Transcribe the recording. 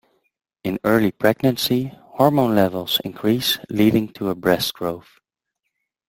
In early pregnancy, hormone levels increase, leading to breast growth.